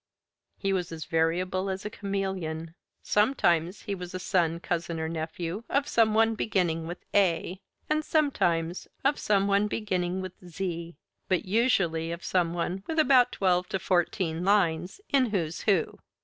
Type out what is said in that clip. He was as variable as a chameleon. Sometimes he was a son, cousin, or nephew of some one beginning with A, and sometimes of some one beginning with Z, but usually of some one with about twelve to fourteen lines in "Who's Who."